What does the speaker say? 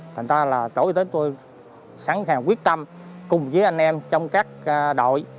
thành ra là tổ y tế tôi sẵn sàng quyết tâm cùng với anh em trong các đội